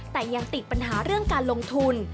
แต่ยังติดปัญหาเรื่องการลงทุน